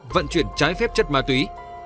vận chuyển trái phép chất ma túy